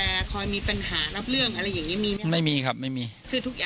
ลุงพลบอกว่ามันก็เป็นการทำความเข้าใจกันมากกว่าเดี๋ยวลองฟังดูค่ะ